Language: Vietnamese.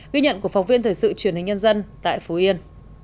ghi nhận của phóng viên thời sự truyền hình nhân dân tại phú yên